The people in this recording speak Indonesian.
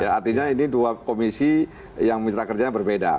artinya ini dua komisi yang mitra kerjanya berbeda